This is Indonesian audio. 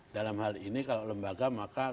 dalam hal ini kalau lembaga maka